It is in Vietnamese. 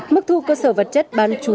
mức thu cơ sở vật chất bán chú